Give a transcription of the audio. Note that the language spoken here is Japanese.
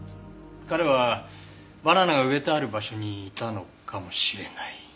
彼はバナナが植えてある場所にいたのかもしれない。